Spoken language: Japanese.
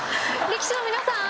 力士の皆さん！